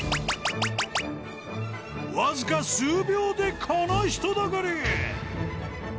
［わずか数秒でこの人だかり］